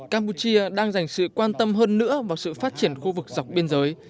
campuchia đang dành sự quan tâm hơn nữa vào sự phát triển khu vực dọc biên giới